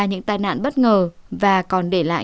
những tai nạn bất ngờ và còn để lại